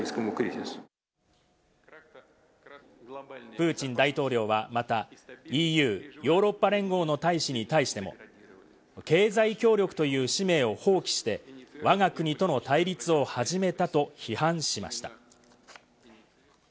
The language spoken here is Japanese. プーチン大統領はまたＥＵ＝ヨーロッパ連合の大使に対しても、経済協力という使命を放棄して、我が国との対立を始めたと批判しました。